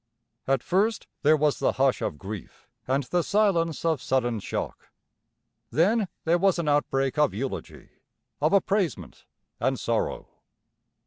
At first there was the hush of grief and the silence of sudden shock. Then there was an outbreak of eulogy, of appraisement, and sorrow.